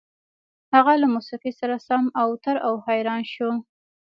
هغه له موسيقۍ سره سم اوتر او حيران شو.